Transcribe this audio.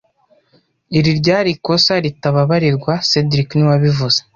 Iri ryari ikosa ritababarirwa cedric niwe wabivuze